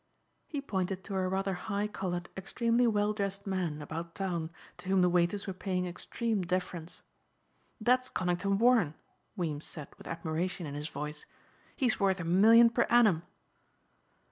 He pointed to a rather high colored extremely well dressed man about town to whom the waiters were paying extreme deference. "That's Conington Warren," Weems said with admiration in his voice, "he's worth a million per annum."